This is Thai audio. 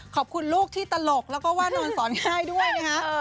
ขอบคุณลูกที่ตลกแล้วก็ว่านอนสอนง่ายด้วยนะคะ